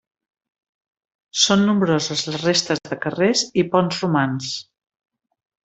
Són nombroses les restes de carrers i ponts romans.